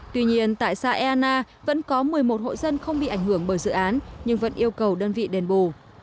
tuy nhiên tại xã eana vẫn có một mươi một hộ dân không bị ảnh hưởng bởi dự án nhưng vẫn yêu cầu đơn vị đền bù